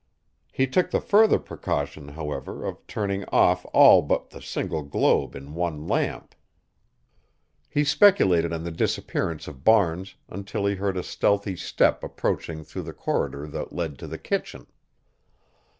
He took the further precaution, however, of turning off all but the single globe in one lamp. He speculated on the disappearance of Barnes until he heard a stealthy step approaching through the corridor that led to the kitchen.